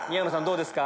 どうですか？